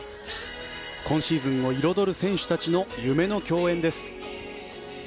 今シーズンを彩る選手たちの夢の競演です。